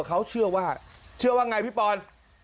เพราะว่าเชื่อว่าไงพี่ปอนด์